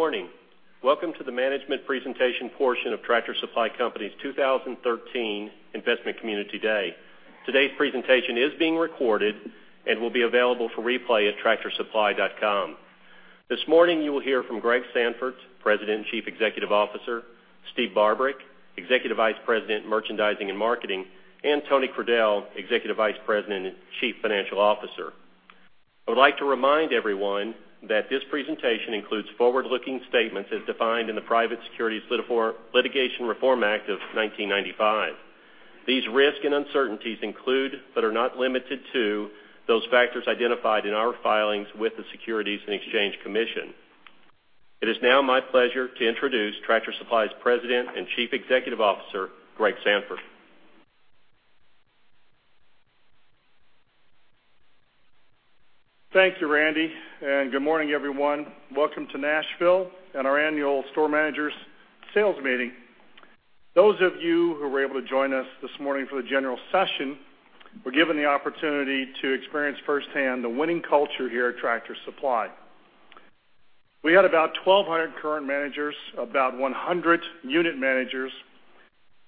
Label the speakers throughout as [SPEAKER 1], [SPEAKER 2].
[SPEAKER 1] Good morning. Welcome to the management presentation portion of Tractor Supply Company's 2013 Investment Community Day. Today's presentation is being recorded and will be available for replay at tractorsupply.com. This morning, you will hear from Greg Sandfort, President and Chief Executive Officer, Steve Barbarick, Executive Vice President, Merchandising and Marketing, and Tony Crudele, Executive Vice President and Chief Financial Officer. I would like to remind everyone that this presentation includes forward-looking statements as defined in the Private Securities Litigation Reform Act of 1995. These risks and uncertainties include, but are not limited to, those factors identified in our filings with the Securities and Exchange Commission. It is now my pleasure to introduce Tractor Supply's President and Chief Executive Officer, Greg Sandfort.
[SPEAKER 2] Thank you, Randy, good morning, everyone. Welcome to Nashville and our annual store managers sales meeting. Those of you who were able to join us this morning for the general session were given the opportunity to experience firsthand the winning culture here at Tractor Supply. We had about 1,200 current managers, about 100 unit managers,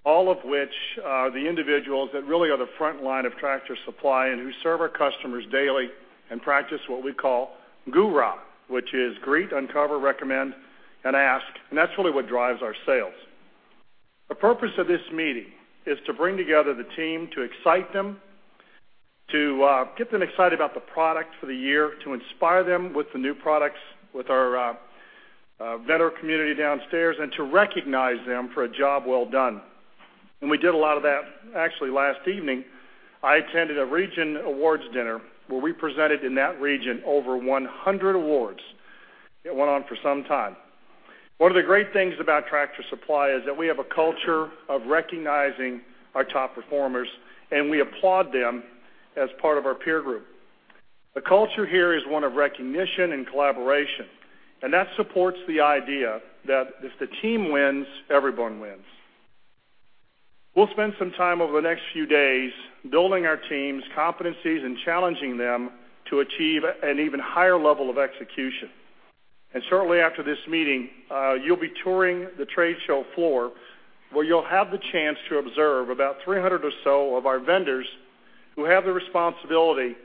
[SPEAKER 2] all of which are the individuals that really are the front line of Tractor Supply and who serve our customers daily and practice what we call GURA, which is greet, uncover, recommend, and ask, and that's really what drives our sales. The purpose of this meeting is to bring together the team, to excite them, to get them excited about the product for the year, to inspire them with the new products, with our vendor community downstairs, and to recognize them for a job well done. We did a lot of that. Actually, last evening, I attended a region awards dinner where we presented, in that region, over 100 awards. It went on for some time. One of the great things about Tractor Supply is that we have a culture of recognizing our top performers, and we applaud them as part of our peer group. The culture here is one of recognition and collaboration, and that supports the idea that if the team wins, everyone wins. We'll spend some time over the next few days building our team's competencies and challenging them to achieve an even higher level of execution. Shortly after this meeting, you'll be touring the trade show floor, where you'll have the chance to observe about 300 or so of our vendors who have the responsibility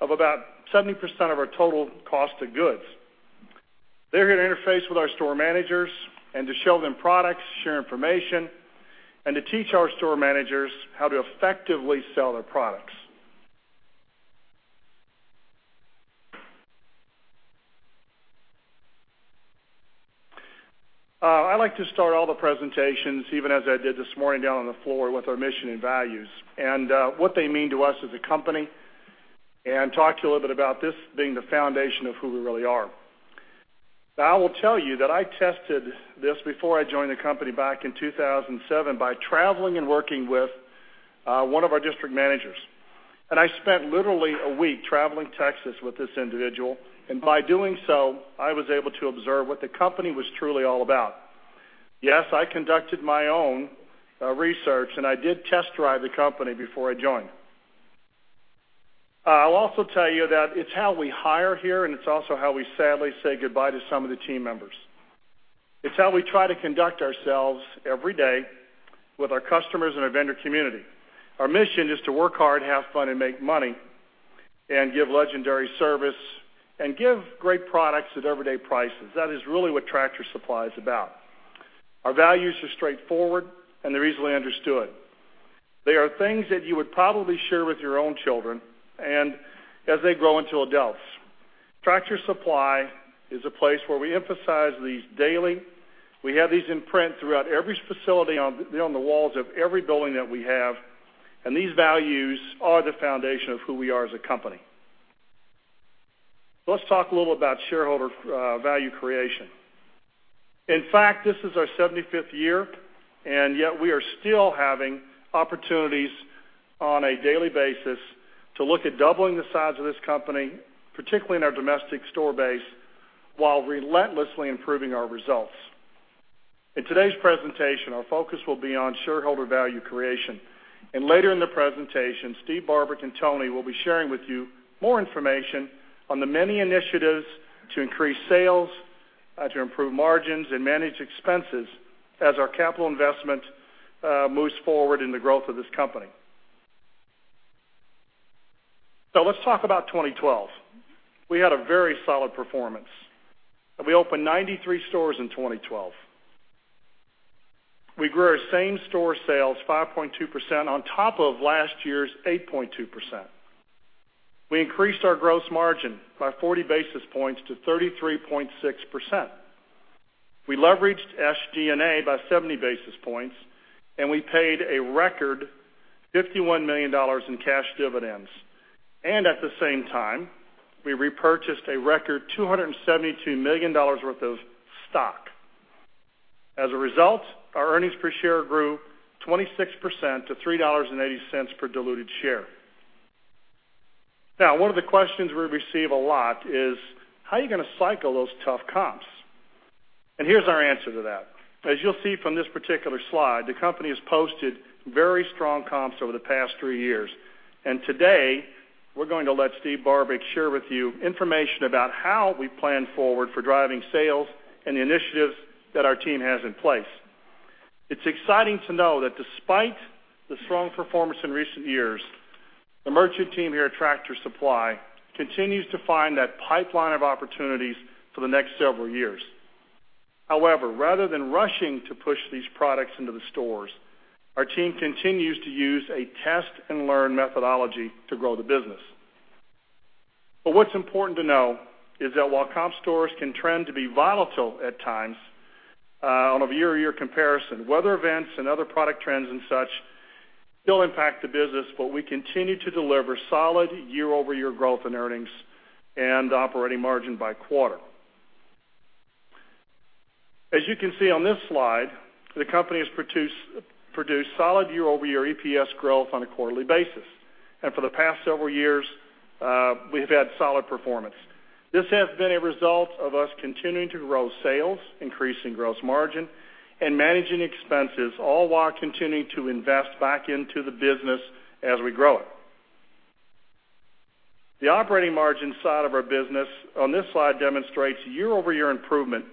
[SPEAKER 2] of about 70% of our total cost of goods. They're here to interface with our store managers and to show them products, share information, and to teach our store managers how to effectively sell their products. I like to start all the presentations, even as I did this morning down on the floor, with our mission and values and what they mean to us as a company and talk to you a little bit about this being the foundation of who we really are. Now, I will tell you that I tested this before I joined the company back in 2007 by traveling and working with one of our District Managers. I spent literally a week traveling Texas with this individual, and by doing so, I was able to observe what the company was truly all about. Yes, I conducted my own research, and I did test drive the company before I joined. I'll also tell you that it's how we hire here, and it's also how we sadly say goodbye to some of the team members. It's how we try to conduct ourselves every day with our customers and our vendor community. Our mission is to work hard, have fun, and make money and give legendary service and give great products at everyday prices. That is really what Tractor Supply is about. Our values are straightforward, and they're easily understood. They are things that you would probably share with your own children and as they grow into adults. Tractor Supply is a place where we emphasize these daily. We have these in print throughout every facility on the walls of every building that we have, and these values are the foundation of who we are as a company. Let's talk a little about shareholder value creation. In fact, this is our 75th year, and yet we are still having opportunities on a daily basis to look at doubling the size of this company, particularly in our domestic store base, while relentlessly improving our results. In today's presentation, our focus will be on shareholder value creation. Later in the presentation, Steve Barbarick and Tony will be sharing with you more information on the many initiatives to increase sales, to improve margins, and manage expenses as our capital investment moves forward in the growth of this company. Let's talk about 2012. We had a very solid performance. We opened 93 stores in 2012. We grew our same-store sales 5.2% on top of last year's 8.2%. We increased our gross margin by 40 basis points to 33.6%. We leveraged SG&A by 70 basis points, and we paid a record $51 million in cash dividends. At the same time, we repurchased a record $272 million worth of stock. As a result, our earnings per share grew 26% to $3.80 per diluted share. One of the questions we receive a lot is: How are you going to cycle those tough comps? Here's our answer to that. As you'll see from this particular slide, the company has posted very strong comps over the past three years. We're going to let Steve Barbarick share with you information about how we plan forward for driving sales and the initiatives that our team has in place. It's exciting to know that despite the strong performance in recent years, the merchant team here at Tractor Supply continues to find that pipeline of opportunities for the next several years. However, rather than rushing to push these products into the stores, our team continues to use a test and learn methodology to grow the business. What's important to know is that while comp stores can trend to be volatile at times on a year-to-year comparison, weather events and other product trends and such still impact the business, but we continue to deliver solid year-over-year growth in earnings and operating margin by quarter. As you can see on this slide, the company has produced solid year-over-year EPS growth on a quarterly basis. For the past several years, we have had solid performance. This has been a result of us continuing to grow sales, increasing gross margin, and managing expenses, all while continuing to invest back into the business as we grow it. The operating margin side of our business on this slide demonstrates year-over-year improvement.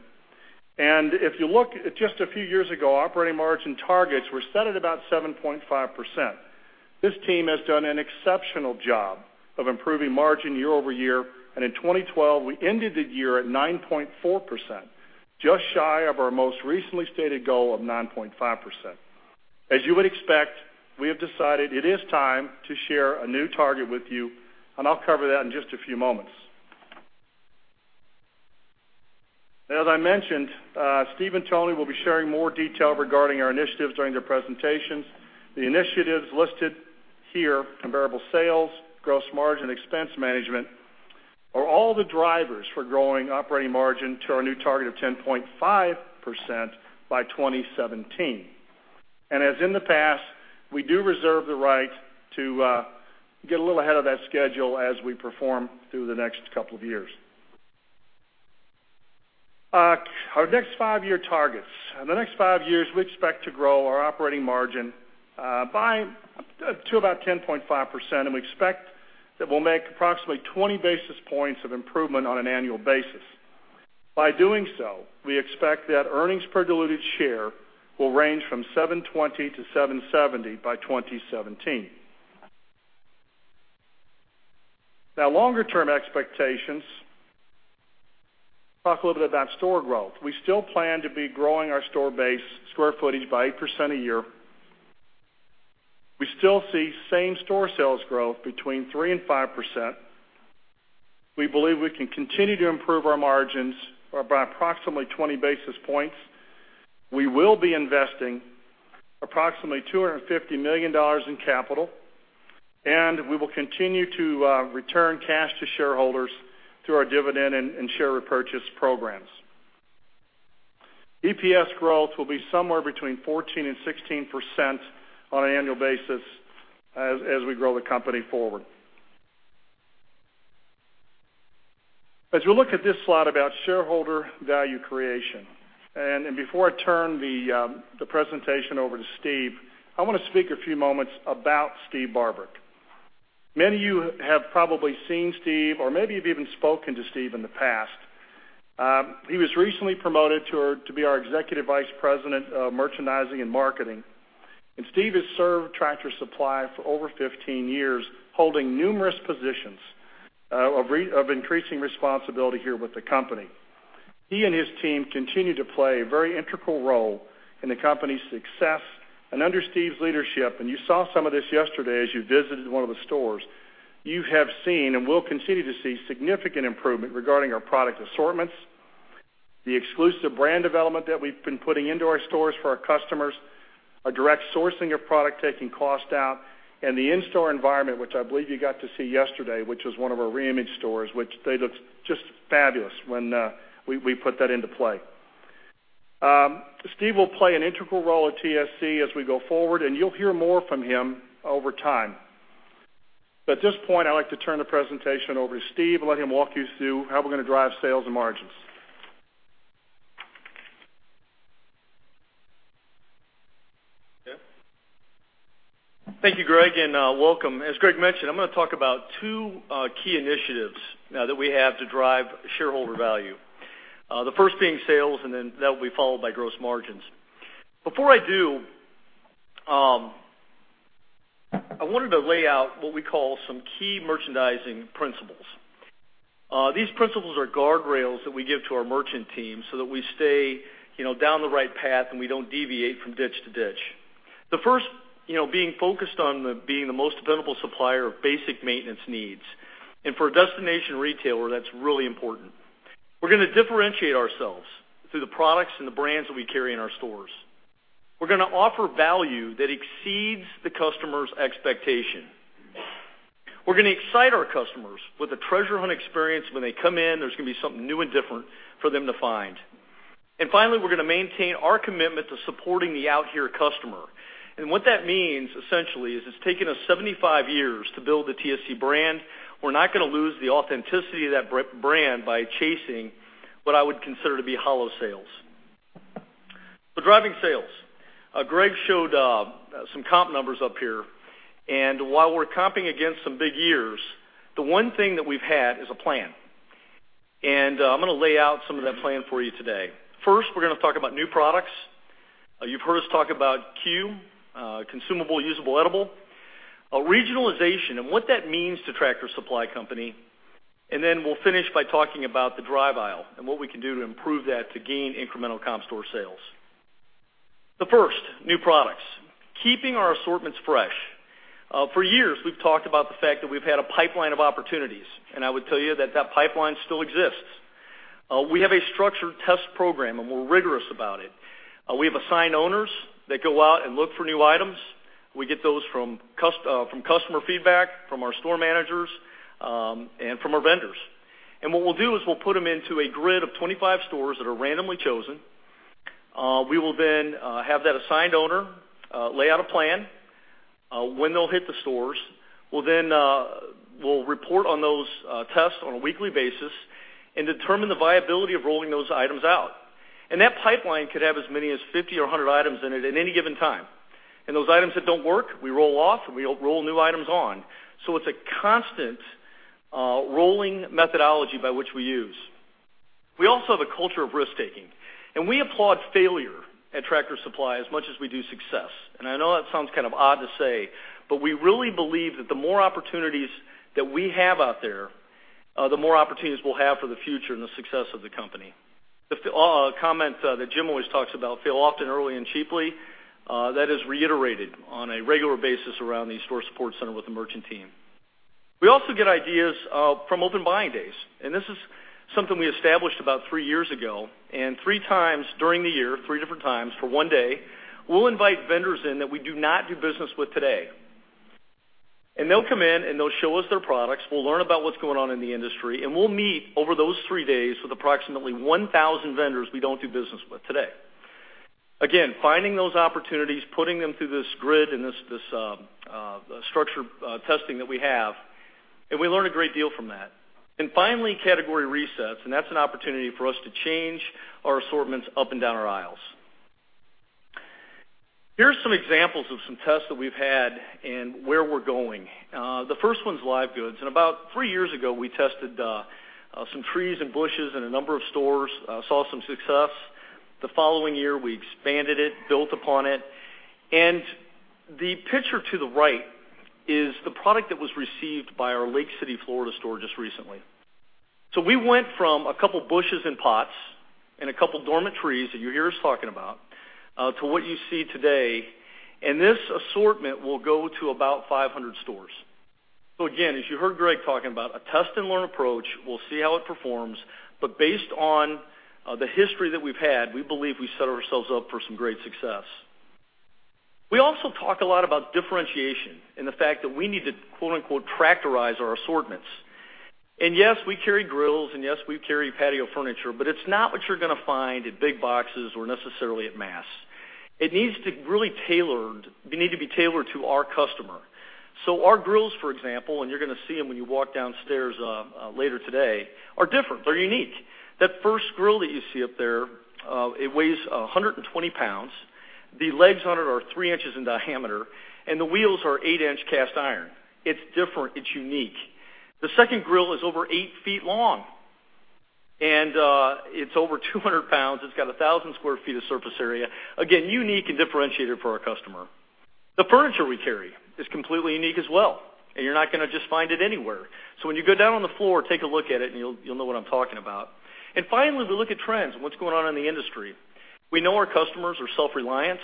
[SPEAKER 2] If you look just a few years ago, operating margin targets were set at about 7.5%. This team has done an exceptional job of improving margin year-over-year, and in 2012, we ended the year at 9.4%, just shy of our most recently stated goal of 9.5%. As you would expect, we have decided it is time to share a new target with you, and I'll cover that in just a few moments. As I mentioned, Steve and Tony will be sharing more detail regarding our initiatives during their presentations. The initiatives listed here, comparable sales, gross margin, expense management, are all the drivers for growing operating margin to our new target of 10.5% by 2017. As in the past, we do reserve the right to get a little ahead of that schedule as we perform through the next two years. Our next five-year targets. In the next five years, we expect to grow our operating margin to about 10.5%, and we expect that we'll make approximately 20 basis points of improvement on an annual basis. By doing so, we expect that earnings per diluted share will range from $7.20 to $7.70 by 2017. Longer-term expectations. Talk a little bit about store growth. We still plan to be growing our store base square footage by 8% a year. We still see same-store sales growth between 3% and 5%. We believe we can continue to improve our margins by approximately 20 basis points. We will be investing approximately $250 million in capital, and we will continue to return cash to shareholders through our dividend and share repurchase programs. EPS growth will be somewhere between 14% and 16% on an annual basis as we grow the company forward. As we look at this slide about shareholder value creation, before I turn the presentation over to Steve, I want to speak a few moments about Steve Barbarick. Many of you have probably seen Steve, or maybe you've even spoken to Steve in the past. He was recently promoted to be our Executive Vice President of Merchandising and Marketing. Steve has served Tractor Supply for over 15 years, holding numerous positions of increasing responsibility here with the company. He and his team continue to play a very integral role in the company's success. Under Steve's leadership, and you saw some of this yesterday as you visited one of the stores, you have seen and will continue to see significant improvement regarding our product assortments, the exclusive brand development that we've been putting into our stores for our customers, our direct sourcing of product taking cost out, and the in-store environment, which I believe you got to see yesterday, which was one of our reimage stores, which they look just fabulous when we put that into play. Steve will play an integral role at TSC as we go forward, and you'll hear more from him over time. At this point, I'd like to turn the presentation over to Steve and let him walk you through how we're going to drive sales and margins.
[SPEAKER 3] Okay. Thank you, Greg, and welcome. As Greg mentioned, I'm going to talk about 2 key initiatives now that we have to drive shareholder value. The first being sales, and then that will be followed by gross margins. Before I do, I wanted to lay out what we call some key merchandising principles. These principles are guardrails that we give to our merchant team so that we stay down the right path and we don't deviate from ditch to ditch. The first, being focused on being the most dependable supplier of basic maintenance needs. For a destination retailer, that's really important. We're going to differentiate ourselves through the products and the brands that we carry in our stores. We're going to offer value that exceeds the customer's expectation. We're going to excite our customers with a treasure hunt experience. When they come in, there's going to be something new and different for them to find. Finally, we're going to maintain our commitment to supporting the Out Here customer. What that means, essentially, is it's taken us 75 years to build the TSC brand. We're not going to lose the authenticity of that brand by chasing what I would consider to be hollow sales. Driving sales. Greg showed some comp numbers up here, and while we're comping against some big years, the one thing that we've had is a plan. I'm going to lay out some of that plan for you today. First, we're going to talk about new products. You've heard us talk about CUE, consumable, usable, edible. Regionalization and what that means to Tractor Supply Company. Then we'll finish by talking about the drive aisle and what we can do to improve that to gain incremental comp store sales. First, new products, keeping our assortments fresh. For years, we've talked about the fact that we've had a pipeline of opportunities, I would tell you that that pipeline still exists. We have a structured test program, we're rigorous about it. We have assigned owners that go out and look for new items. We get those from customer feedback, from our store managers, and from our vendors. What we'll do is we'll put them into a grid of 25 stores that are randomly chosen. We will then have that assigned owner lay out a plan, when they'll hit the stores. We'll report on those tests on a weekly basis and determine the viability of rolling those items out. That pipeline could have as many as 50 or 100 items in it at any given time. Those items that don't work, we roll off, we roll new items on. It's a constant rolling methodology by which we use. We also have a culture of risk-taking, we applaud failure at Tractor Supply as much as we do success. I know that sounds kind of odd to say, but we really believe that the more opportunities that we have out there, the more opportunities we'll have for the future and the success of the company. The comment that Jim always talks about, fail often, early, and cheaply, that is reiterated on a regular basis around the store support center with the merchant team. We also get ideas from open buying days, and this is something we established about three years ago. Three times during the year, three different times, for one day, we'll invite vendors in that we do not do business with today. They'll come in and they'll show us their products. We'll learn about what's going on in the industry, and we'll meet over those three days with approximately 1,000 vendors we don't do business with today. Again, finding those opportunities, putting them through this grid and this structured testing that we have, and we learn a great deal from that. Finally, category resets, and that's an opportunity for us to change our assortments up and down our aisles. Here's some examples of some tests that we've had and where we're going. The first one's live goods, and about three years ago, we tested some trees and bushes in a number of stores, saw some success. The following year, we expanded it, built upon it. The picture to the right is the product that was received by our Lake City, Florida store just recently. We went from a couple bushes and pots and a couple dormant trees that you hear us talking about, to what you see today, and this assortment will go to about 500 stores. Again, as you heard Greg talking about a test-and-learn approach, we'll see how it performs. Based on the history that we've had, we believe we set ourselves up for some great success. We also talk a lot about differentiation and the fact that we need to quote-unquote, "tractorize our assortments." Yes, we carry grills and yes, we carry patio furniture, but it's not what you're going to find at big boxes or necessarily at mass. It needs to be tailored to our customer. Our grills, for example, and you're going to see them when you walk downstairs later today, are different. They're unique. That first grill that you see up there, it weighs 120 pounds. The legs on it are three inches in diameter, and the wheels are eight-inch cast iron. It's different. It's unique. The second grill is over eight feet long, and it's over 200 pounds. It's got 1,000 square feet of surface area. Again, unique and differentiated for our customer. The furniture we carry is completely unique as well, and you're not going to just find it anywhere. When you go down on the floor, take a look at it and you'll know what I'm talking about. Finally, we look at trends and what's going on in the industry. We know our customers are self-reliant.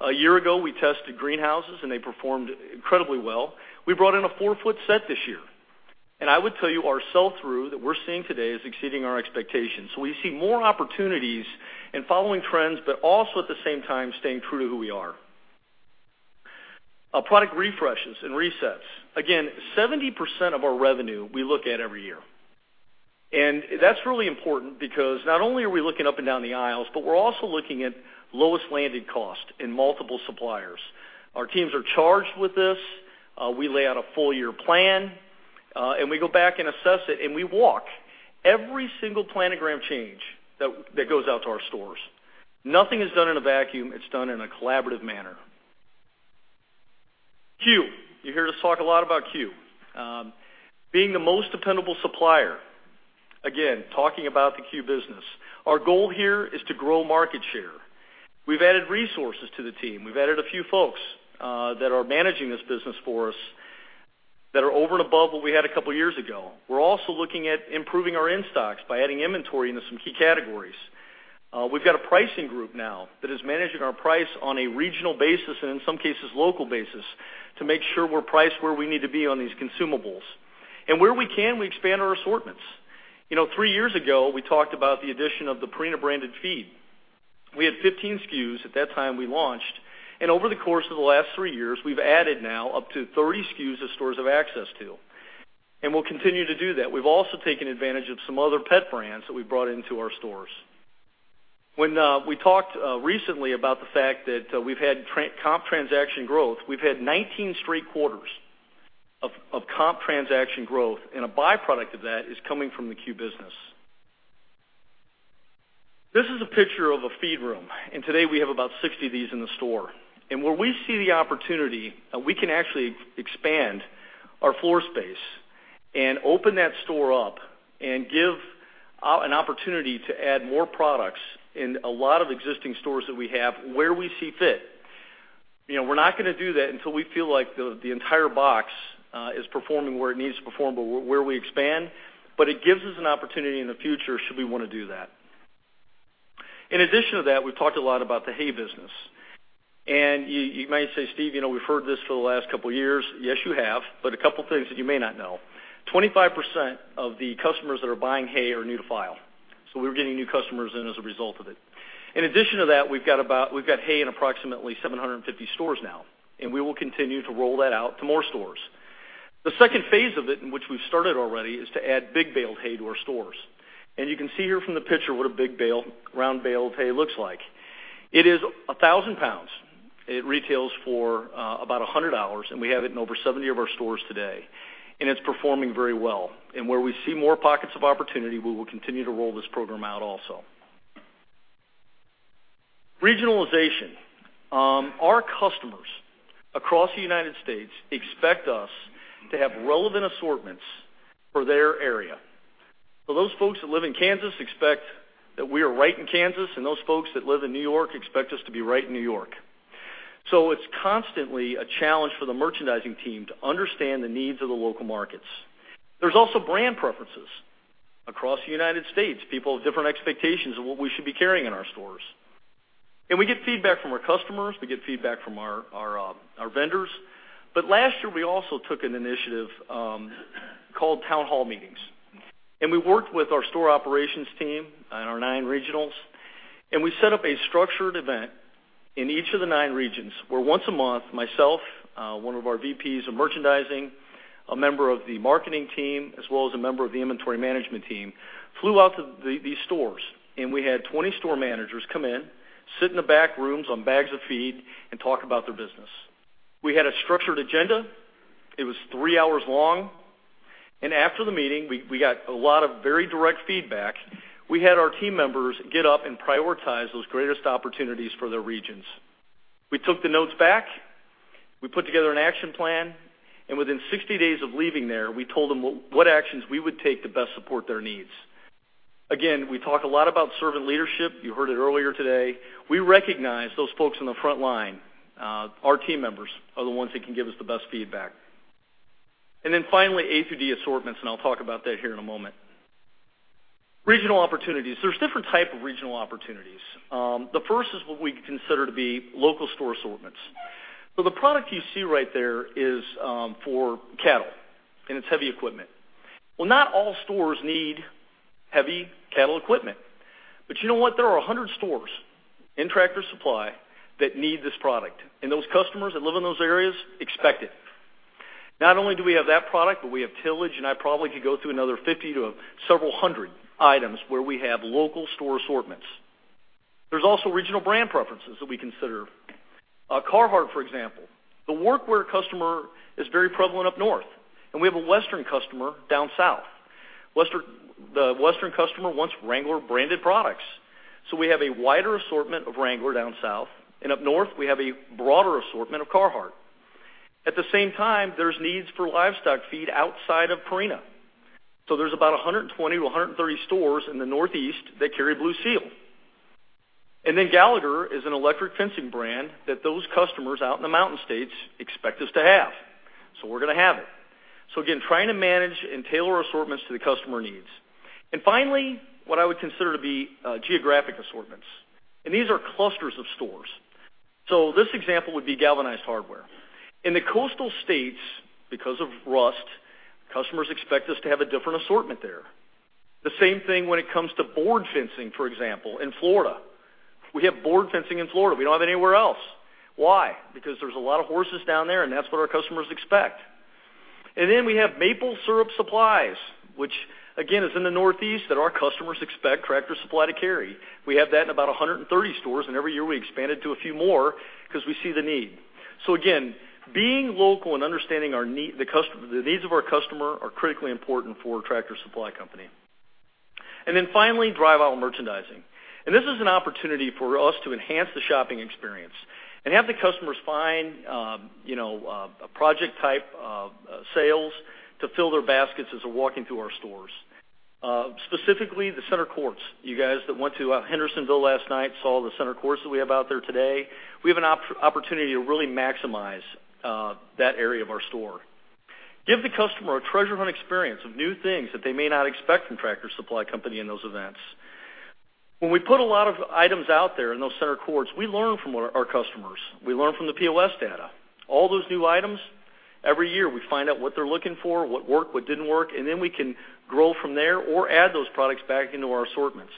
[SPEAKER 3] A year ago, we tested greenhouses, and they performed incredibly well. We brought in a four-foot set this year. I would tell you our sell-through that we're seeing today is exceeding our expectations. We see more opportunities in following trends, but also at the same time, staying true to who we are. Product refreshes and resets. Again, 70% of our revenue we look at every year. That's really important because not only are we looking up and down the aisles, but we're also looking at lowest landed cost in multiple suppliers. Our teams are charged with this. We lay out a full-year plan, and we go back and assess it, and we walk every single planogram change that goes out to our stores. Nothing is done in a vacuum. It's done in a collaborative manner. CUE. You hear us talk a lot about CUE. Being the most dependable supplier. Again, talking about the CUE business. Our goal here is to grow market share. We've added resources to the team. We've added a few folks that are managing this business for us that are over and above what we had a couple of years ago. We're also looking at improving our in-stocks by adding inventory into some key categories. We've got a pricing group now that is managing our price on a regional basis and in some cases, local basis, to make sure we're priced where we need to be on these consumables. Where we can, we expand our assortments. Three years ago, we talked about the addition of the Purina-branded feed. We had 15 SKUs at that time we launched, and over the course of the last three years, we've added now up to 30 SKUs that stores have access to, and we'll continue to do that. We've also taken advantage of some other pet brands that we've brought into our stores. When we talked recently about the fact that we've had comp transaction growth, we've had 19 straight quarters of comp transaction growth, and a byproduct of that is coming from the CUE business. This is a picture of a feed room. Today we have about 60 of these in the store. Where we see the opportunity, we can actually expand our floor space and open that store up and give an opportunity to add more products in a lot of existing stores that we have where we see fit. We're not going to do that until we feel like the entire box is performing where it needs to perform. It gives us an opportunity in the future should we want to do that. In addition to that, we've talked a lot about the hay business. You might say, "Steve, we've heard this for the last couple of years." Yes, you have. A couple of things that you may not know. 25% of the customers that are buying hay are new to file. We're getting new customers in as a result of it. In addition to that, we've got hay in approximately 750 stores now. We will continue to roll that out to more stores. The second phase of it, in which we've started already, is to add big baled hay to our stores. You can see here from the picture what a big round baled hay looks like. It is 1,000 pounds. It retails for about $100, and we have it in over 70 of our stores today. It's performing very well. Where we see more pockets of opportunity, we will continue to roll this program out also. Regionalization. Our customers across the U.S. expect us to have relevant assortments for their area. Those folks that live in Kansas expect that we are right in Kansas, and those folks that live in New York expect us to be right in New York. It's constantly a challenge for the merchandising team to understand the needs of the local markets. There's also brand preferences across the U.S. People have different expectations of what we should be carrying in our stores. We get feedback from our customers, we get feedback from our vendors. Last year, we also took an initiative called town hall meetings. We worked with our store operations team and our nine regionals, we set up a structured event in each of the nine regions where once a month, myself, one of our VPs of Merchandising, a member of the Marketing team, as well as a member of the Inventory Management team, flew out to these stores. We had 20 store managers come in, sit in the back rooms on bags of feed, and talk about their business. We had a structured agenda. It was three hours long. After the meeting, we got a lot of very direct feedback. We had our team members get up and prioritize those greatest opportunities for their regions. We took the notes back. We put together an action plan. Within 60 days of leaving there, we told them what actions we would take to best support their needs. We talk a lot about servant leadership. You heard it earlier today. We recognize those folks on the front line. Our team members are the ones that can give us the best feedback. Finally, A through D assortments, I'll talk about that here in a moment. Regional opportunities. There's different type of regional opportunities. The first is what we consider to be local store assortments. The product you see right there is for cattle, and it's heavy equipment. Not all stores need heavy cattle equipment. You know what? There are 100 stores in Tractor Supply that need this product. Those customers that live in those areas expect it. Not only do we have that product, but we have tillage, I probably could go through another 50 to several hundred items where we have local store assortments. There's also regional brand preferences that we consider. Carhartt, for example. The workwear customer is very prevalent up north, and we have a western customer down south. The western customer wants Wrangler-branded products. We have a wider assortment of Wrangler down south, and up north, we have a broader assortment of Carhartt. At the same time, there's needs for livestock feed outside of Purina. There's about 120 to 130 stores in the Northeast that carry Blue Seal. Gallagher is an electric fencing brand that those customers out in the mountain states expect us to have. We're going to have it. Again, trying to manage and tailor assortments to the customer needs. Finally, what I would consider to be geographic assortments. These are clusters of stores. This example would be galvanized hardware. In the coastal states, because of rust, customers expect us to have a different assortment there. The same thing when it comes to board fencing, for example, in Florida. We have board fencing in Florida. We don't have it anywhere else. Why? Because there's a lot of horses down there, and that's what our customers expect. We have maple syrup supplies, which again, is in the Northeast that our customers expect Tractor Supply to carry. We have that in about 130 stores, and every year we expand it to a few more because we see the need. Again, being local and understanding the needs of our customer are critically important for Tractor Supply Company. Finally, drive aisle merchandising. This is an opportunity for us to enhance the shopping experience and have the customers find a project type of sales to fill their baskets as they're walking through our stores. Specifically, the center courts. You guys that went to Hendersonville last night saw the center courts that we have out there today. We have an opportunity to really maximize that area of our store. Give the customer a treasure hunt experience of new things that they may not expect from Tractor Supply Company in those events. When we put a lot of items out there in those center courts, we learn from our customers. We learn from the POS data. All those new items, every year we find out what they're looking for, what worked, what didn't work, we can grow from there or add those products back into our assortments.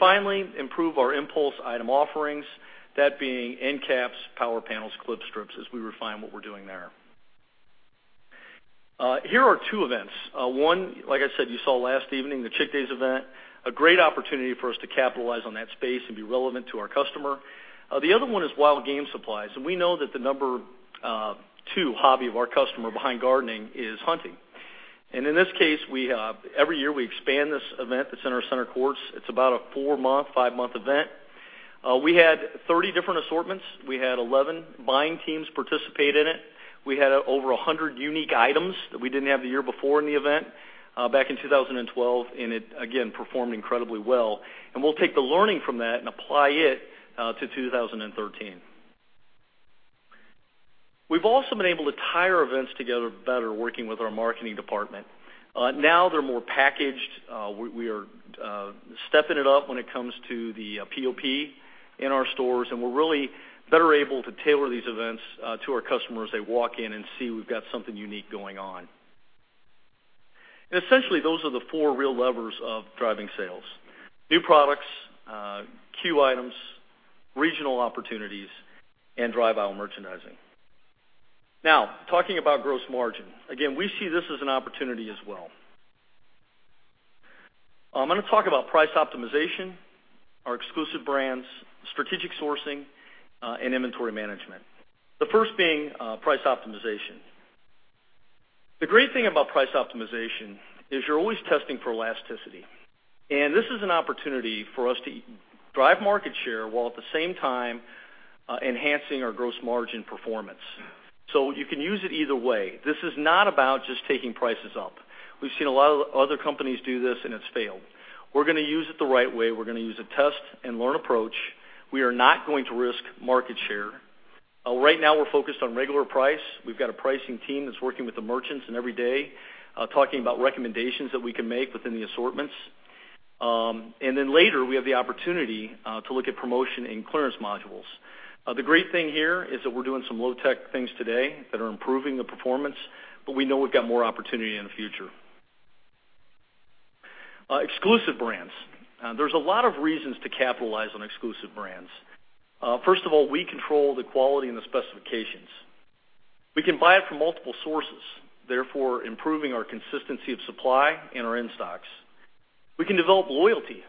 [SPEAKER 3] Finally, improve our impulse item offerings, that being end caps, power panels, clip strips, as we refine what we're doing there. Here are two events. One, like I said, you saw last evening, the Chick Days event, a great opportunity for us to capitalize on that space and be relevant to our customer. The other one is Wild Game Supplies, and we know that the number two hobby of our customer behind gardening is hunting. In this case, every year, we expand this event that's in our center courts. It's about a four-month, five-month event. We had 30 different assortments. We had 11 buying teams participate in it. We had over 100 unique items that we didn't have the year before in the event, back in 2012, and it, again, performed incredibly well. We'll take the learning from that and apply it to 2013. We've also been able to tie our events together better working with our marketing department. Now they're more packaged. We are stepping it up when it comes to the POP in our stores, and we're really better able to tailor these events to our customers as they walk in and see we've got something unique going on. Essentially, those are the four real levers of driving sales, new products, CUE items, regional opportunities, and drive aisle merchandising. Talking about gross margin. We see this as an opportunity as well. I'm going to talk about price optimization, our exclusive brands, strategic sourcing, and inventory management. The first being price optimization. The great thing about price optimization is you're always testing for elasticity. This is an opportunity for us to drive market share while at the same time enhancing our gross margin performance. You can use it either way. This is not about just taking prices up. We've seen a lot of other companies do this, and it's failed. We're going to use it the right way. We're going to use a test-and-learn approach. We are not going to risk market share. Right now, we're focused on regular price. We've got a pricing team that's working with the merchants and every day talking about recommendations that we can make within the assortments. Later, we have the opportunity to look at promotion and clearance modules. The great thing here is that we're doing some low-tech things today that are improving the performance, but we know we've got more opportunity in the future. Exclusive brands. There's a lot of reasons to capitalize on exclusive brands. First of all, we control the quality and the specifications. We can buy it from multiple sources, therefore improving our consistency of supply and our in-stocks. We can develop loyalty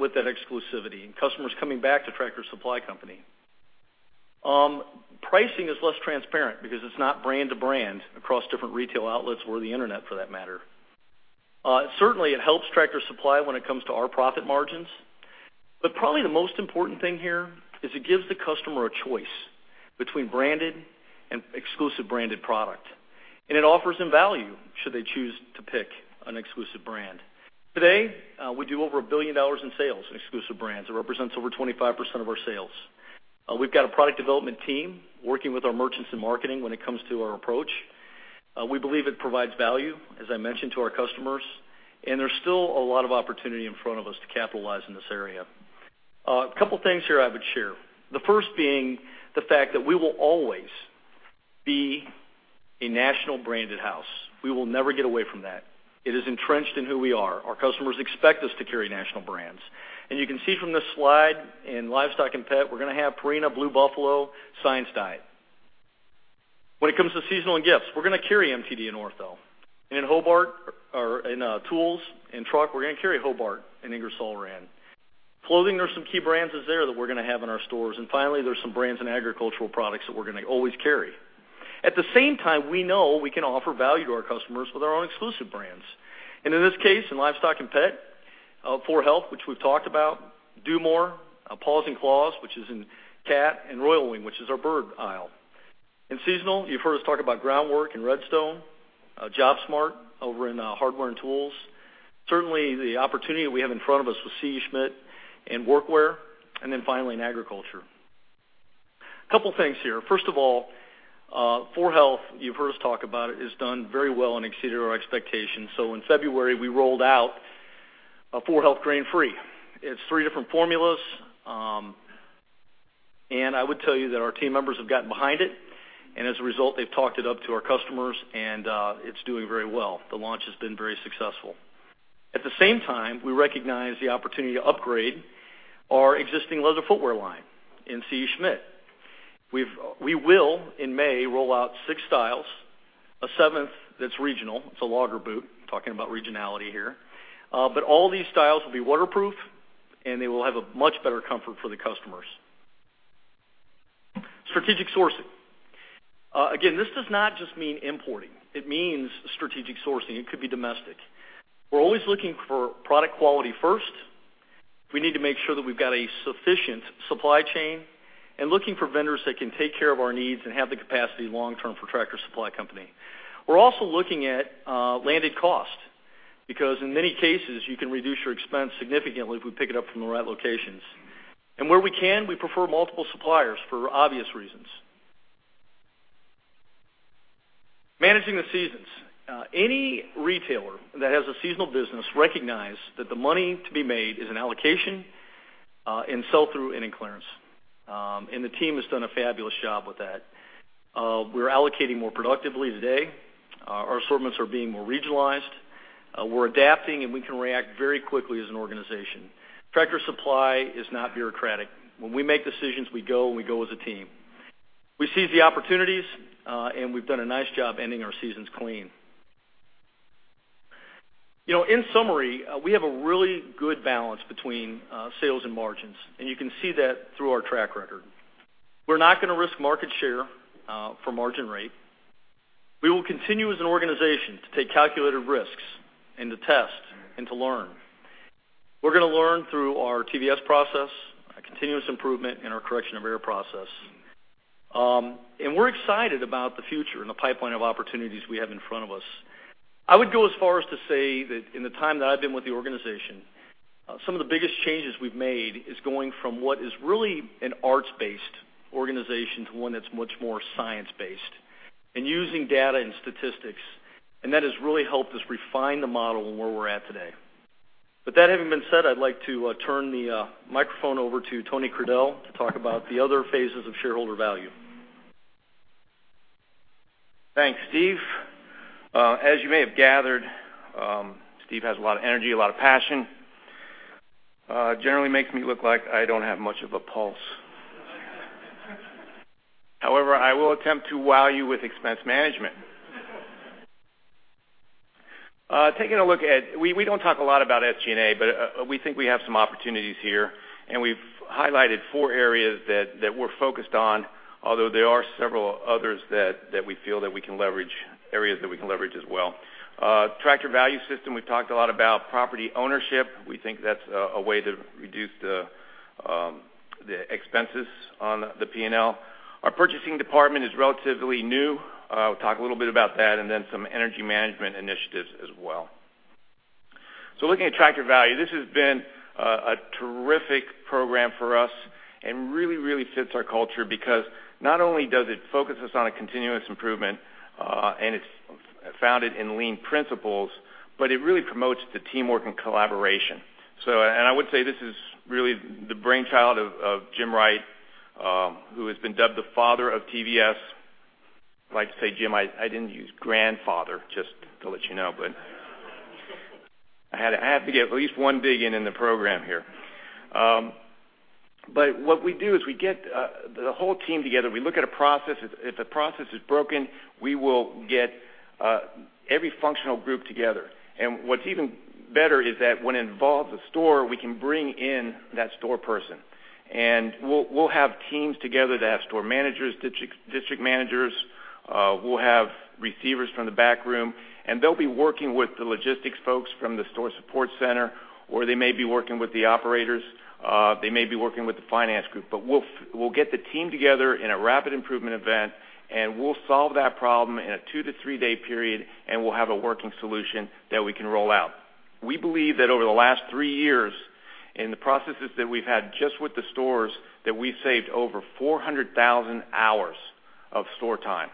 [SPEAKER 3] with that exclusivity and customers coming back to Tractor Supply Company. Pricing is less transparent because it's not brand to brand across different retail outlets or the Internet, for that matter. Certainly, it helps Tractor Supply when it comes to our profit margins. Probably the most important thing here is it gives the customer a choice between branded and exclusive branded product. It offers them value should they choose to pick an exclusive brand. Today, we do over $1 billion in sales in exclusive brands. It represents over 25% of our sales. We've got a product development team working with our merchants in marketing when it comes to our approach. We believe it provides value, as I mentioned to our customers, there's still a lot of opportunity in front of us to capitalize in this area. A couple of things here I would share. The first being the fact that we will always be a national branded house. We will never get away from that. It is entrenched in who we are. Our customers expect us to carry national brands. You can see from this slide in livestock and pet, we're going to have Purina, Blue Buffalo, Hill's Science Diet. When it comes to seasonal and gifts, we're going to carry MTD and Ortho. In tools and truck, we're going to carry Hobart and Ingersoll Rand. Clothing, there's some key brands there that we're going to have in our stores. Finally, there's some brands in agricultural products that we're going to always carry. At the same time, we know we can offer value to our customers with our own exclusive brands. In this case, in livestock and pet, 4health, which we've talked about, DuMOR, Paws & Claws, which is in cat, and Royal Wing, which is our bird aisle. In seasonal, you've heard us talk about GroundWork and RedStone, JobSmart over in hardware and tools. Certainly, the opportunity we have in front of us with C.E. Schmidt in workwear, finally in agriculture. A couple of things here. First of all, 4health, you've heard us talk about it, has done very well and exceeded our expectations. In February, we rolled out 4health Grain Free. It's three different formulas. I would tell you that our team members have gotten behind it. As a result, they've talked it up to our customers, it's doing very well. The launch has been very successful. At the same time, we recognize the opportunity to upgrade our existing leather footwear line in C.E. Schmidt. We will, in May, roll out six styles, a seventh that's regional. It's a logger boot. Talking about regionality here. All these styles will be waterproof, they will have a much better comfort for the customers. Strategic sourcing. Again, this does not just mean importing. It means strategic sourcing. It could be domestic. We're always looking for product quality first. We need to make sure that we've got a sufficient supply chain and looking for vendors that can take care of our needs and have the capacity long-term for Tractor Supply Company. We're also looking at landed cost because in many cases, you can reduce your expense significantly if we pick it up from the right locations. Where we can, we prefer multiple suppliers for obvious reasons. Managing the seasons. Any retailer that has a seasonal business recognize that the money to be made is in allocation, in sell-through, and in clearance. The team has done a fabulous job with that. We're allocating more productively today. Our assortments are being more regionalized. We're adapting, and we can react very quickly as an organization. Tractor Supply is not bureaucratic. When we make decisions, we go, and we go as a team. We seize the opportunities, and we've done a nice job ending our seasons clean. In summary, we have a really good balance between sales and margins, and you can see that through our track record. We're not going to risk market share for margin rate. We will continue as an organization to take calculated risks and to test and to learn. We're going to learn through our TVS process, our continuous improvement, and our correction of error process. We're excited about the future and the pipeline of opportunities we have in front of us. I would go as far as to say that in the time that I've been with the organization, some of the biggest changes we've made is going from what is really an arts-based organization to one that's much more science-based and using data and statistics, and that has really helped us refine the model and where we're at today. That having been said, I'd like to turn the microphone over to Tony Crudele to talk about the other phases of shareholder value.
[SPEAKER 4] Thanks, Steve. As you may have gathered, Steve has a lot of energy, a lot of passion. Generally makes me look like I don't have much of a pulse. However, I will attempt to wow you with expense management. We don't talk a lot about SG&A, but we think we have some opportunities here, and we've highlighted four areas that we're focused on, although there are several others that we feel that we can leverage, areas that we can leverage as well. Tractor Value System, we've talked a lot about property ownership. We think that's a way to reduce the expenses on the P&L. Our purchasing department is relatively new. We'll talk a little bit about that, and then some energy management initiatives as well. Looking at Tractor Value, this has been a terrific program for us and really, really fits our culture because not only does it focus us on a continuous improvement, and it's founded in LEAN principles, but it really promotes the teamwork and collaboration. I would say this is really the brainchild of Jim Wright, who has been dubbed the father of TVS. I'd like to say, Jim, I didn't use grandfather, just to let you know, but I had to get at least one dig in in the program here. What we do is we get the whole team together. We look at a process. If the process is broken, we will get every functional group together. What's even better is that when it involves a store, we can bring in that store person. We'll have teams together. They have store managers, District Managers. We'll have receivers from the backroom. They'll be working with the logistics folks from the Store Support Center, or they may be working with the operators. They may be working with the finance group. We'll get the team together in a Rapid Improvement Event. We'll solve that problem in a two- to three-day period. We'll have a working solution that we can roll out. We believe that over the last three years, in the processes that we've had just with the stores, that we've saved over 400,000 hours of store time.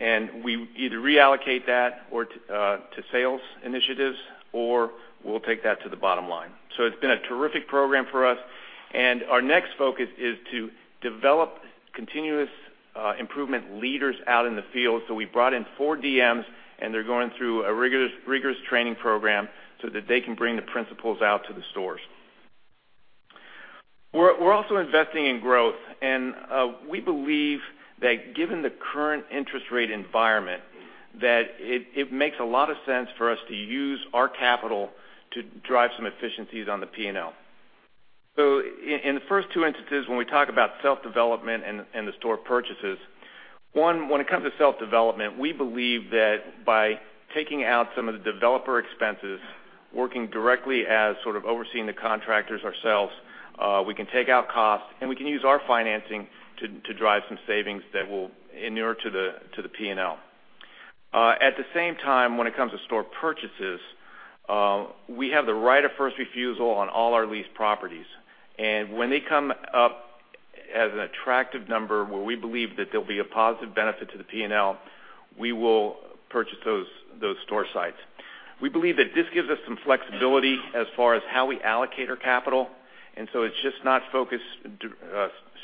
[SPEAKER 4] We either reallocate that to sales initiatives or we'll take that to the bottom line. It's been a terrific program for us. Our next focus is to develop Continuous Improvement Leaders out in the field. We brought in four DMs. They're going through a rigorous training program so that they can bring the principles out to the stores. We're also investing in growth. We believe that given the current interest rate environment, it makes a lot of sense for us to use our capital to drive some efficiencies on the P&L. In the first two instances, when we talk about self-development and the store purchases, one, when it comes to self-development, we believe that by taking out some of the developer expenses, working directly as sort of overseeing the contractors ourselves, we can take out costs and we can use our financing to drive some savings that will inure to the P&L. At the same time, when it comes to store purchases, we have the right of first refusal on all our leased properties. When they come up as an attractive number where we believe that there'll be a positive benefit to the P&L, we will purchase those store sites. We believe that this gives us some flexibility as far as how we allocate our capital. It's just not focused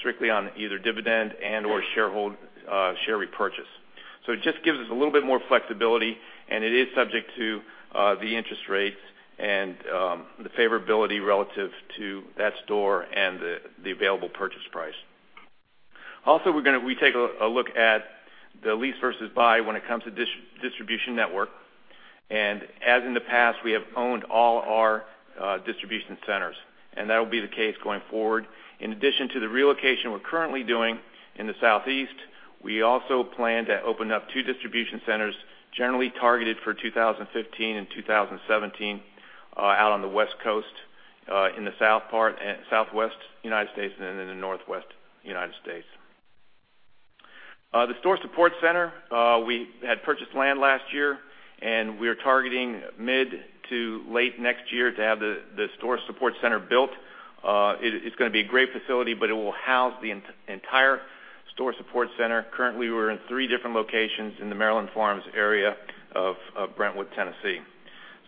[SPEAKER 4] strictly on either dividend and/or share repurchase. It just gives us a little bit more flexibility, and it is subject to the interest rates and the favorability relative to that store and the available purchase price. We take a look at the lease versus buy when it comes to distribution network. As in the past, we have owned all our distribution centers. That'll be the case going forward. In addition to the relocation we're currently doing in the Southeast, we also plan to open up two distribution centers, generally targeted for 2015 and 2017, out on the West Coast, in the South part and Southwest United States, and in the Northwest United States. The Store Support Center, we had purchased land last year. We are targeting mid to late next year to have the Store Support Center built. It's going to be a great facility. It will house the entire Store Support Center. Currently, we're in three different locations in the Maryland Farms area of Brentwood, Tennessee.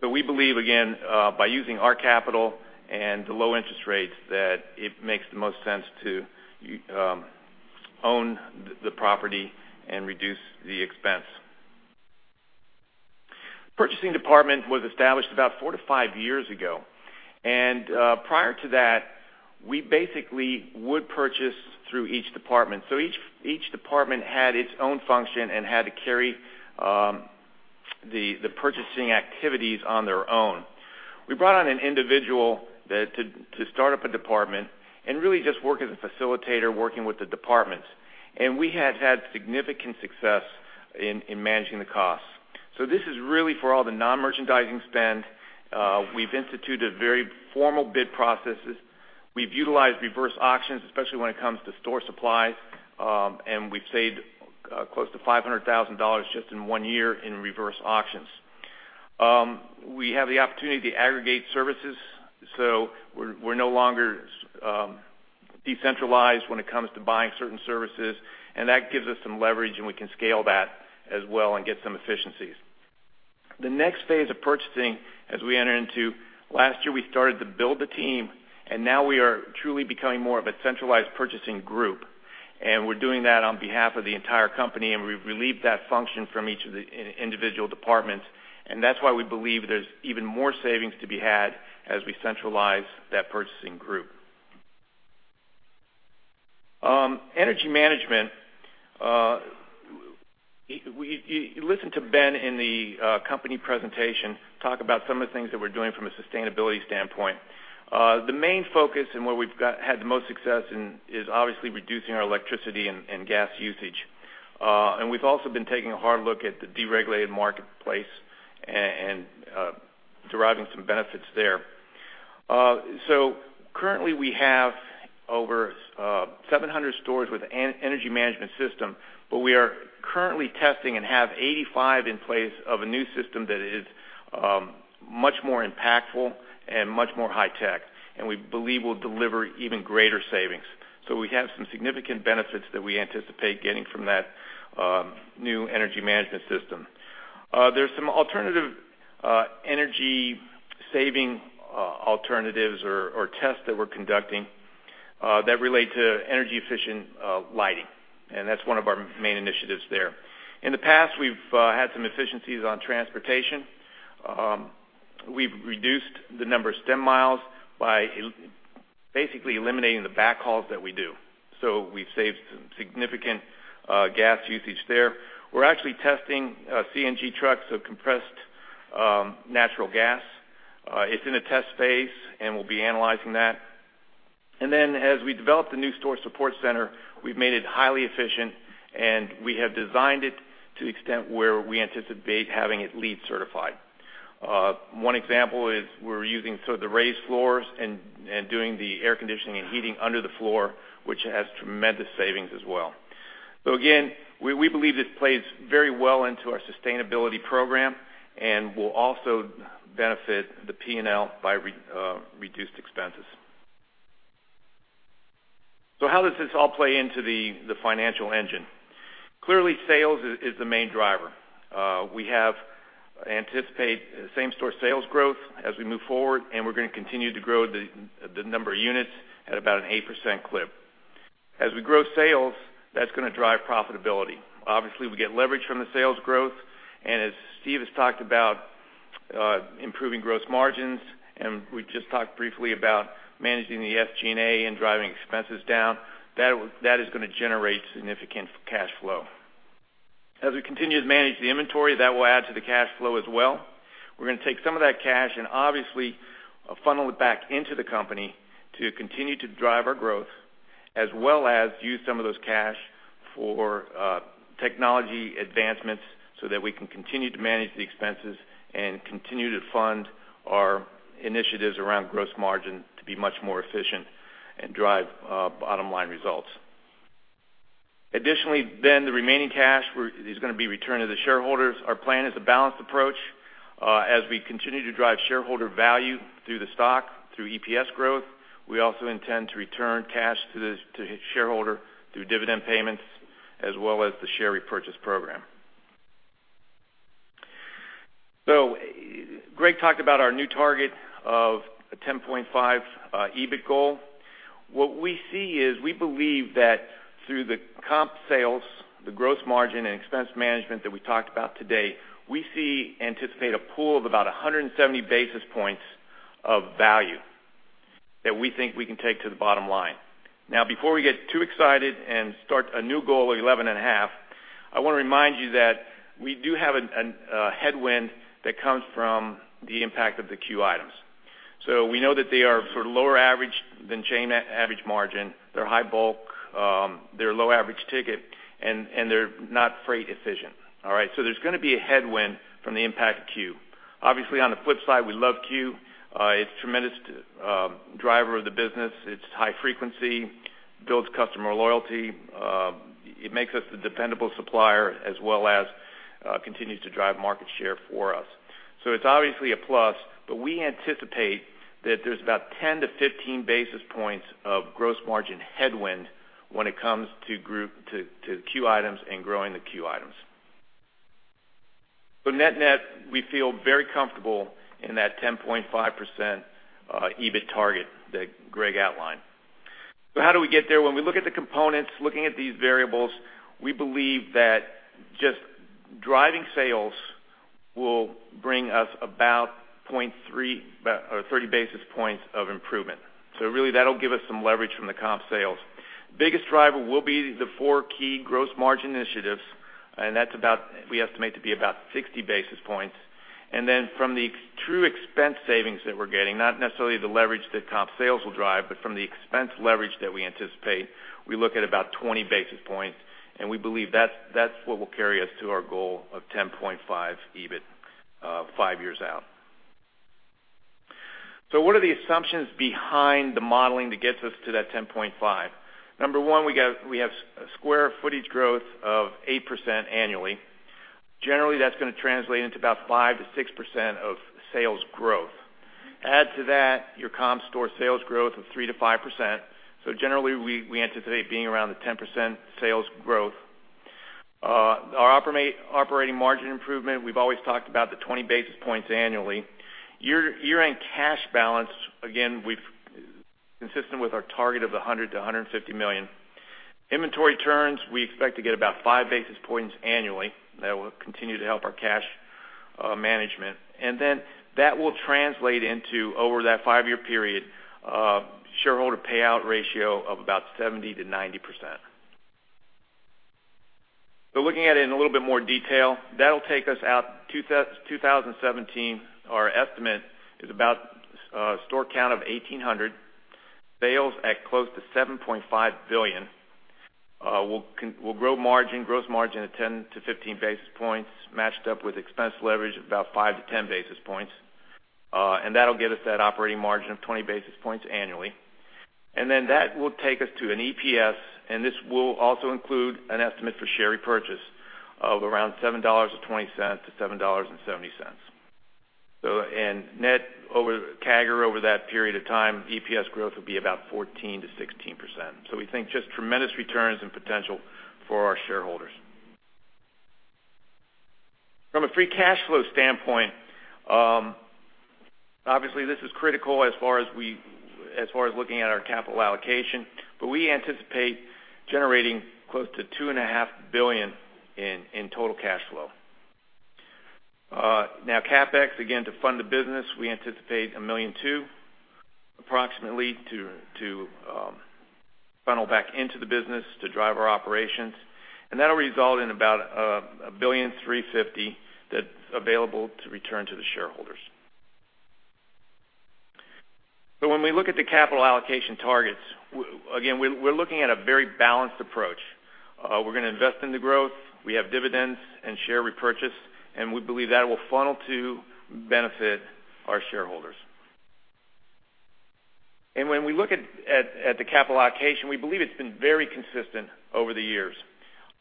[SPEAKER 4] We believe, again, by using our capital and the low interest rates, that it makes the most sense to own the property and reduce the expense. Purchasing department was established about four to five years ago. Prior to that, we basically would purchase through each department. Each department had its own function and had to carry the purchasing activities on their own. We brought on an individual to start up a department and really just work as a facilitator, working with the departments. We have had significant success in managing the costs. This is really for all the non-merchandising spend. We've instituted very formal bid processes. We've utilized reverse auctions, especially when it comes to store supplies, and we've saved close to $500,000 just in one year in reverse auctions. We have the opportunity to aggregate services, so we're no longer decentralized when it comes to buying certain services, and that gives us some leverage, and we can scale that as well and get some efficiencies. The next phase of purchasing, as we enter into last year, we started to build the team, and now we are truly becoming more of a centralized purchasing group. We're doing that on behalf of the entire company, and we've relieved that function from each of the individual departments, and that's why we believe there's even more savings to be had as we centralize that purchasing group. Energy management. You listened to Ben in the company presentation, talk about some of the things that we're doing from a sustainability standpoint. The main focus and where we've had the most success in is obviously reducing our electricity and gas usage. We've also been taking a hard look at the deregulated marketplace and deriving some benefits there. Currently, we have over 700 stores with an energy management system, but we are currently testing and have 85 in place of a new system that is much more impactful and much more high-tech, and we believe will deliver even greater savings. We have some significant benefits that we anticipate getting from that new energy management system. There's some alternative energy saving alternatives or tests that we're conducting that relate to energy-efficient lighting, and that's one of our main initiatives there. In the past, we've had some efficiencies on transportation. We've reduced the number of stem miles by basically eliminating the backhauls that we do. We've saved some significant gas usage there. We're actually testing CNG trucks, so compressed natural gas. It's in a test phase, and we'll be analyzing that. As we developed the new store support center, we've made it highly efficient, and we have designed it to the extent where we anticipate having it LEED certified. One example is we're using the raised floors and doing the air conditioning and heating under the floor, which has tremendous savings as well. Again, we believe this plays very well into our sustainability program and will also benefit the P&L by reduced expenses. How does this all play into the financial engine? Clearly, sales is the main driver. We have anticipated same-store sales growth as we move forward, and we're going to continue to grow the number of units at about an 8% clip. As we grow sales, that's going to drive profitability. We get leverage from the sales growth, as Steve has talked about improving gross margins, we just talked briefly about managing the SG&A and driving expenses down, that is going to generate significant cash flow. As we continue to manage the inventory, that will add to the cash flow as well. We're going to take some of that cash and obviously funnel it back into the company to continue to drive our growth as well as use some of those cash for technology advancements so that we can continue to manage the expenses and continue to fund our initiatives around gross margin to be much more efficient and drive bottom-line results. Additionally, the remaining cash is going to be returned to the shareholders. Our plan is a balanced approach. We continue to drive shareholder value through the stock, through EPS growth, we also intend to return cash to shareholder through dividend payments as well as the share repurchase program. Greg talked about our new target of a 10.5 EBIT goal. What we see is we believe that through the comp sales, the gross margin, and expense management that we talked about today, we anticipate a pool of about 170 basis points of value that we think we can take to the bottom line. Before we get too excited and start a new goal of 11.5, I want to remind you that we do have a headwind that comes from the impact of the Q items. We know that they are sort of lower average than chain average margin. They're high bulk, they're low average ticket, and they're not freight efficient. All right. There's going to be a headwind from the impact of Q. Obviously, on the flip side, we love Q. It's a tremendous driver of the business. It's high frequency, builds customer loyalty. It makes us the dependable supplier as well as continues to drive market share for us. It's obviously a plus, but we anticipate that there's about 10-15 basis points of gross margin headwind when it comes to Q items and growing the Q items. Net-net, we feel very comfortable in that 10.5% EBIT target that Greg outlined. How do we get there? When we look at the components, looking at these variables, we believe that just driving sales will bring us about 0.3 or 30 basis points of improvement. Really that'll give us some leverage from the comp sales. Biggest driver will be the four key gross margin initiatives, that's about, we estimate to be about 60 basis points. From the true expense savings that we're getting, not necessarily the leverage that comp sales will drive, but from the expense leverage that we anticipate, we look at about 20 basis points, and we believe that's what will carry us to our goal of 10.5 EBIT five years out. What are the assumptions behind the modeling that gets us to that 10.5? Number 1, we have square footage growth of 8% annually. Generally, that's going to translate into about 5%-6% of sales growth. Add to that your comp store sales growth of 3%-5%. Generally, we anticipate being around the 10% sales growth. Our operating margin improvement, we've always talked about the 20 basis points annually. Year-end cash balance, again, consistent with our target of $100 million-$150 million. Inventory turns, we expect to get about five basis points annually. That will continue to help our cash management. That will translate into, over that five-year period, shareholder payout ratio of about 70%-90%. Looking at it in a little bit more detail, that'll take us out, 2017, our estimate is about store count of 1,800, sales at close to $7.5 billion. We'll grow margin, gross margin of 10-15 basis points, matched up with expense leverage of about 5-10 basis points. That'll get us that operating margin of 20 basis points annually. That will take us to an EPS, and this will also include an estimate for share repurchase of around $7.20-$7.70. Net CAGR over that period of time, EPS growth will be about 14%-16%. We think just tremendous returns and potential for our shareholders. From a free cash flow standpoint, obviously this is critical as far as looking at our capital allocation, but we anticipate generating close to $2.5 billion in total cash flow. CapEx, again, to fund the business, we anticipate $1.2 billion approximately to funnel back into the business to drive our operations. That'll result in about $1.350 billion that's available to return to the shareholders. When we look at the capital allocation targets, again, we're looking at a very balanced approach. We're going to invest in the growth. We have dividends and share repurchase, and we believe that will funnel to benefit our shareholders. When we look at the capital allocation, we believe it's been very consistent over the years.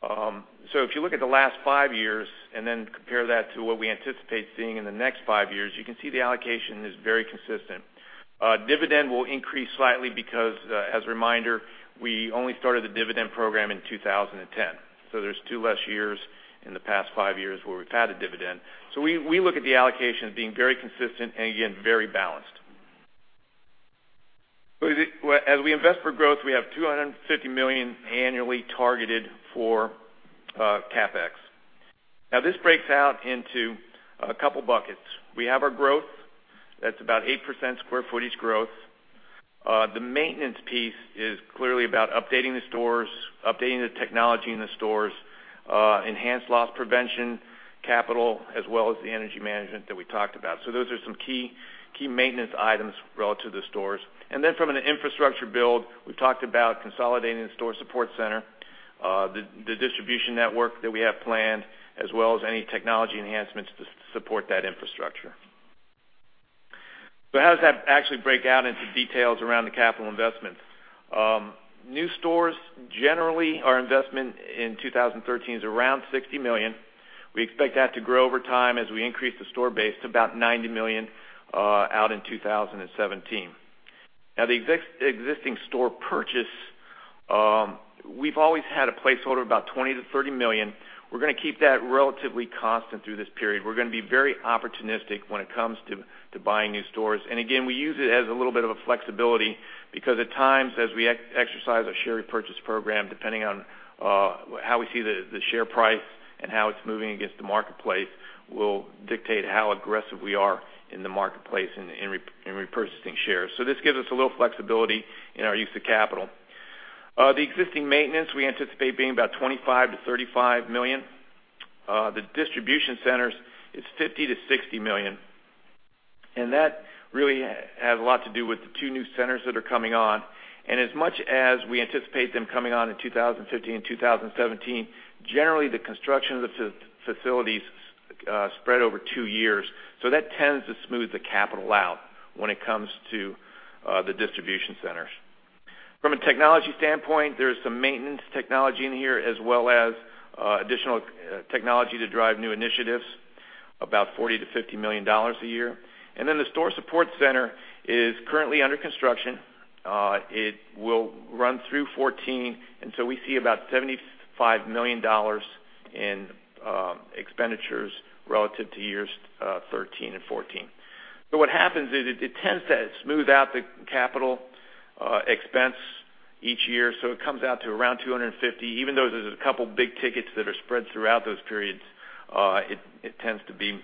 [SPEAKER 4] If you look at the last five years and compare that to what we anticipate seeing in the next five years, you can see the allocation is very consistent. Dividend will increase slightly because, as a reminder, we only started the dividend program in 2010. There's two less years in the past five years where we've had a dividend. We look at the allocation as being very consistent and again, very balanced. As we invest for growth, we have $250 million annually targeted for CapEx. This breaks out into a couple of buckets. We have our growth, that's about 8% square footage growth. The maintenance piece is clearly about updating the stores, updating the technology in the stores, enhanced loss prevention, capital, as well as the energy management that we talked about. Those are some key maintenance items relative to the stores. From an infrastructure build, we've talked about consolidating the store support center, the distribution network that we have planned, as well as any technology enhancements to support that infrastructure. How does that actually break out into details around the capital investment? New stores, generally our investment in 2013 is around $60 million. We expect that to grow over time as we increase the store base to about $90 million out in 2017. The existing store purchase, we've always had a placeholder of about $20 million-$30 million. We're going to keep that relatively constant through this period. We're going to be very opportunistic when it comes to buying new stores. Again, we use it as a little bit of a flexibility because at times, as we exercise our share repurchase program, depending on how we see the share price and how it's moving against the marketplace, will dictate how aggressive we are in the marketplace in repurchasing shares. This gives us a little flexibility in our use of capital. The existing maintenance, we anticipate being about $25 million-$35 million. The distribution centers, it's $50 million-$60 million, and that really has a lot to do with the two new centers that are coming on. As much as we anticipate them coming on in 2015 and 2017, generally the construction of the facilities spread over two years. That tends to smooth the capital out when it comes to the distribution centers. From a technology standpoint, there's some maintenance technology in here, as well as additional technology to drive new initiatives, about $40 million-$50 million a year. The store support center is currently under construction. It will run through 2014. We see about $75 million in expenditures relative to years 2013 and 2014. What happens is it tends to smooth out the capital expense each year. It comes out to around $250 million. Even though there's a couple big tickets that are spread throughout those periods, it tends to be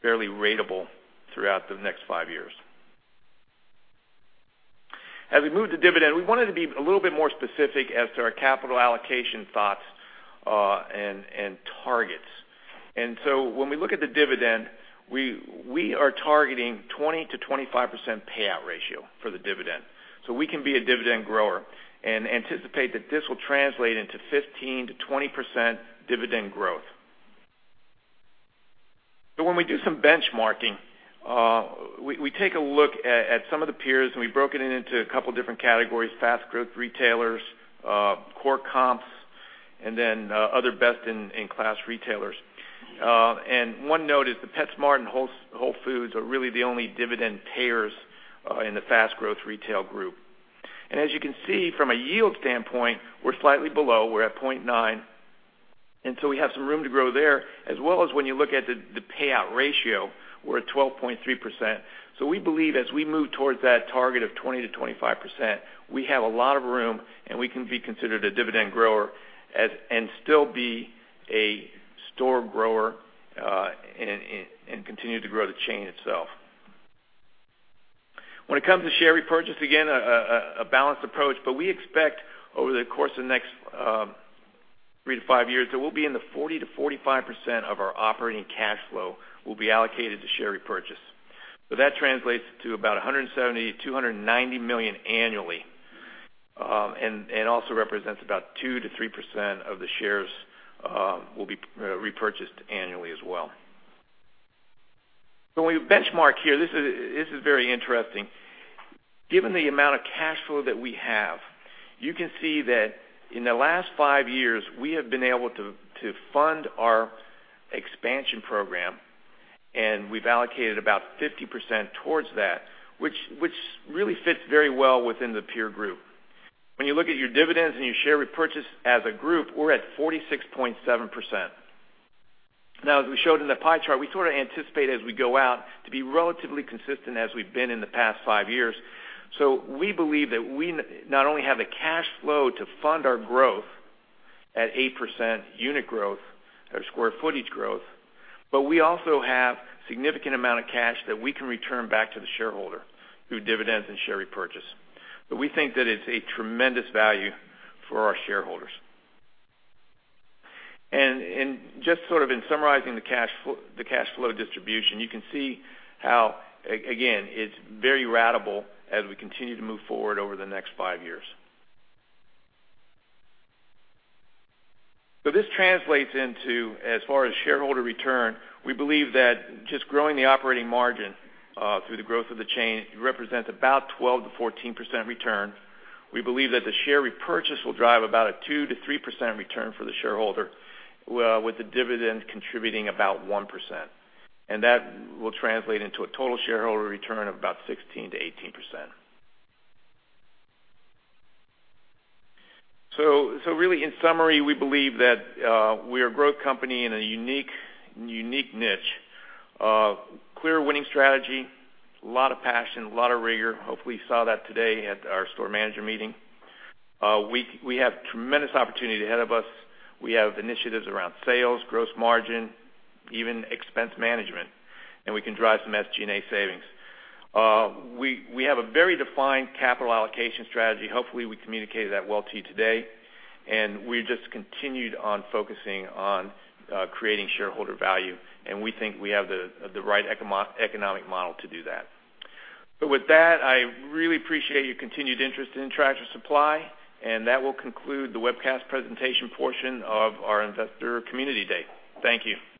[SPEAKER 4] fairly ratable throughout the next five years. As we move to dividend, we wanted to be a little bit more specific as to our capital allocation thoughts and targets. When we look at the dividend, we are targeting 20%-25% payout ratio for the dividend. We can be a dividend grower and anticipate that this will translate into 15%-20% dividend growth. When we do some benchmarking, we take a look at some of the peers. We broke it into a couple different categories, fast growth retailers, core comps, and then other best-in-class retailers. One note is that PetSmart and Whole Foods Market are really the only dividend payers in the fast growth retail group. As you can see from a yield standpoint, we're slightly below. We're at 0.9%. We have some room to grow there, as well as when you look at the payout ratio, we're at 12.3%. We believe as we move towards that target of 20%-25%, we have a lot of room, and we can be considered a dividend grower and still be a store grower and continue to grow the chain itself. When it comes to share repurchase, again, a balanced approach, but we expect over the course of the next 3-5 years that we'll be in the 40%-45% of our operating cash flow will be allocated to share repurchase. That translates to about $170 million-$290 million annually. Also represents about 2%-3% of the shares will be repurchased annually as well. When we benchmark here, this is very interesting. Given the amount of cash flow that we have, you can see that in the last five years, we have been able to fund our expansion program, and we've allocated about 50% towards that, which really fits very well within the peer group. When you look at your dividends and your share repurchase as a group, we're at 46.7%. As we showed in the pie chart, we sort of anticipate as we go out to be relatively consistent as we've been in the past five years. We believe that we not only have the cash flow to fund our growth at 8% unit growth or square footage growth, but we also have significant amount of cash that we can return back to the shareholder through dividends and share repurchase. We think that it's a tremendous value for our shareholders. Just sort of in summarizing the cash flow distribution, you can see how, again, it's very ratable as we continue to move forward over the next five years. This translates into, as far as shareholder return, we believe that just growing the operating margin through the growth of the chain represents about 12%-14% return. We believe that the share repurchase will drive about a 2%-3% return for the shareholder, with the dividend contributing about 1%. That will translate into a total shareholder return of about 16%-18%. Really, in summary, we believe that we're a growth company in a unique niche. Clear winning strategy, a lot of passion, a lot of rigor. Hopefully, you saw that today at our store manager meeting. We have tremendous opportunity ahead of us. We have initiatives around sales, gross margin, even expense management, and we can drive some SG&A savings. We have a very defined capital allocation strategy. Hopefully, we communicated that well to you today, and we just continued on focusing on creating shareholder value, and we think we have the right economic model to do that. With that, I really appreciate your continued interest in Tractor Supply, and that will conclude the webcast presentation portion of our Investor Community Day. Thank you.